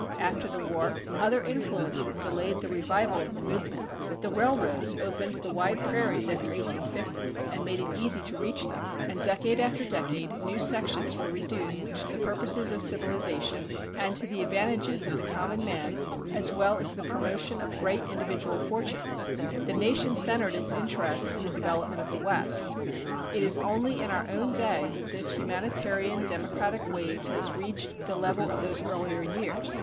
After the war, other influences delayed the revival of the movement. The railroads opened the wide prairies after 1850 and made it easy to reach them; and decade after decade new sections were reduced to the purposes of civilization and to the advantages of the common man as well as the promotion of great individual fortunes. The nation centered its interests in the development of the West. It is only in our own day that this humanitarian democratic wave has reached the level of those earlier years.